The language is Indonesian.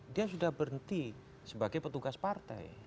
dia sudah berhenti sebagai petugas partai